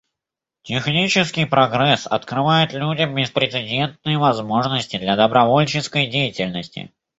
Технический прогресс открывает людям беспрецедентные возможности для добровольческой деятельности.